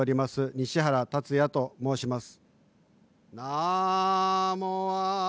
西原龍哉と申します。